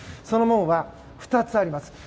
その門は２つあります。